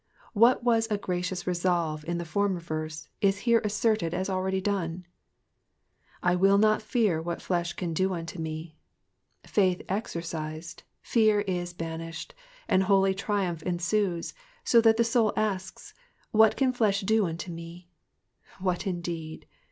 What was a gracious resolve in the former verse, is here asserted as already done. '*/ wiZ/ not fear what flesh can do unto me.'''* Faith exercised, fear fs banished, and holy triumph ensues, so that the soul asks, What can flesb do unto me?" What indeed?